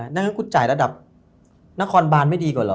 ดังนั้นคุณจ่ายระดับนครบานไม่ดีกว่าเหรอ